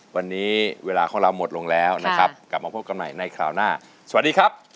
วันนี้เวลาของเราหมดลงแล้วนะครับกลับมาพบกันใหม่ในคราวหน้าสวัสดีครับ